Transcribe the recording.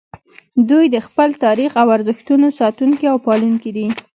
دوی د خپل تاریخ او ارزښتونو ساتونکي او پالونکي دي